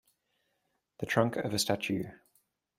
The trunk of a statue.